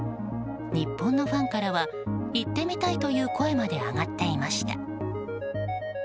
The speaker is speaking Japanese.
日本のファンからは行ってみたいという声まで上がっていました。